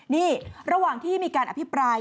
นี่ระหว่างที่มีการอภิปราย